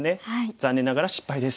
残念ながら失敗です。